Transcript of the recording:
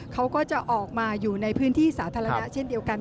เขาก็จะออกมาอยู่ในพื้นที่สาธารณะเช่นเดียวกัน